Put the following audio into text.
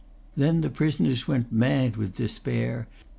Then the prisoners went mad with despair.